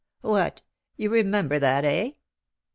"What! you remember that, eh?"